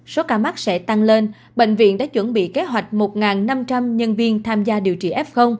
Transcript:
số ca mắc sẽ tăng lên bệnh viện đã chuẩn bị kế hoạch một năm trăm linh nhân viên tham gia điều trị f